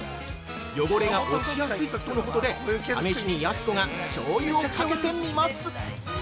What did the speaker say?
汚れが落ちやすいとのことで、試しに、やす子が醤油をかけてみます。